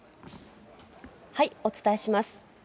お伝えします。